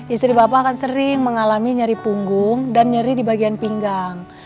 istri bapak akan sering mengalami nyeri punggung dan nyeri di bagian pinggang